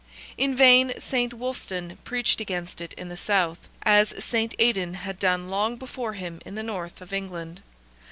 In vain Saint Wulfstan preached against it in the South, as Saint Aidan had done long before him in the North of England.